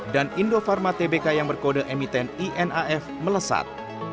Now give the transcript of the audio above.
dan indofarma tbk yang berkode emiten inaf melesat